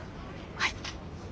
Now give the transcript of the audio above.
はい。